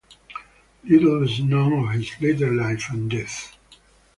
Little is known of his later life and death.